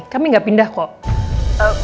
kami gak pindah kok